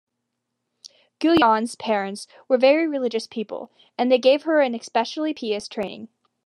Guyon's parents were very religious people, and they gave her an especially pious training.